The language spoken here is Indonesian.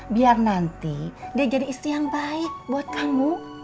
biar nanti dia jadi istri yang baik buat kamu